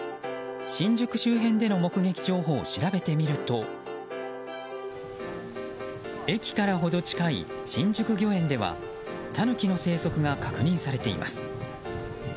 新宿周辺での目撃情報を調べてみると駅から程近い新宿御苑ではタヌキの生息が確認されています。